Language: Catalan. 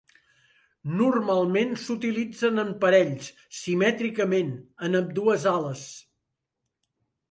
Normalment s'utilitzen en parells, simètricament en ambdues ales.